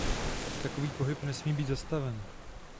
Takový pohyb nesmí být zastaven.